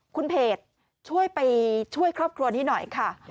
คุณเพจช่วยไปช่วยครอบครัวนี้หน่อยค่ะ